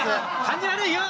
感じ悪いよ。